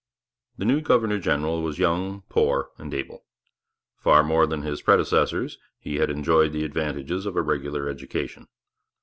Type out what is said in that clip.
The new governor general was young, poor, and able. Far more than his predecessors, he had enjoyed the advantages of a regular education.